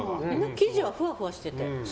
生地はふわふわしてて。